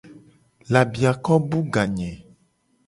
Labiako bu ga nye.